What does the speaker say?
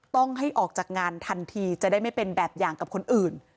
ต้องให้ออกจากงานทันทีจะได้ไม่เป็นแบบอย่างกับคนอื่น